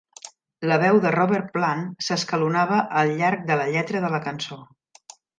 La veu de Robert Plant s'escalonava al llarg de la lletra de la cançó.